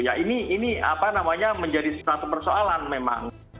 ya ini apa namanya menjadi satu persoalan memang